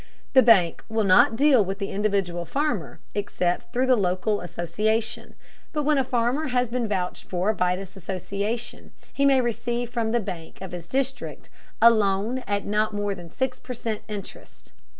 The Bank will not deal with the individual farmer except through the local association, but when a farmer has been vouched for by this association, he may receive from the Bank of his district a loan at not more than six per cent interest.